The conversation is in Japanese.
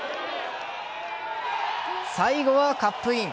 最後はカップイン。